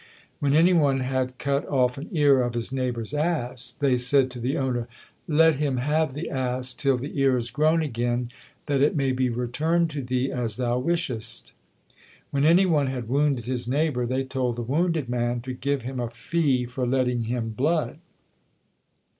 When any one had cut off an ear of his neighbour's ass, they said to the owner "Let him have the ass till the ear is grown again, that it may be returned to thee as thou wishest." When any one had wounded his neighbour, they told the wounded man to "give him a fee for letting him blood."